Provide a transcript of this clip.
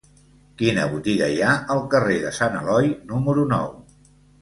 Quina botiga hi ha al carrer de Sant Eloi número nou?